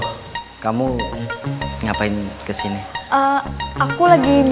tapi saat aku bangun bangun di situ nah kayak gini nggak jadi gampang